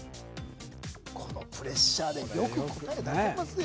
このプレッシャーでよく答え出せますよ。